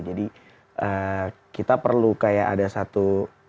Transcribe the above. jadi kita perlu kayak ada satu